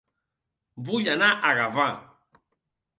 Vull anar a Gavà